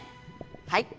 はい！